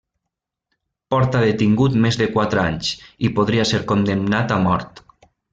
Porta detingut més de quatre anys, i podria ser condemnat a mort.